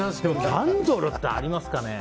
キャンドルってありますかね。